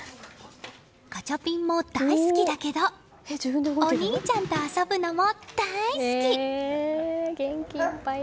ガチャピンも大好きだけどお兄ちゃんと遊ぶのも大好き！